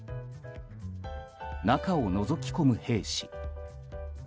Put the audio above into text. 中をのぞき込む兵士。